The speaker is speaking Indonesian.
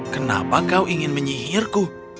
kenapa kau ingin menyihirku